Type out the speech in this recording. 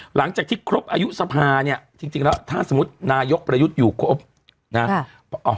หลังจากที่ครบอายุสภาเนี่ยจริงแล้วถ้าสมมุตินายกประยุทธ์อยู่ครบนะ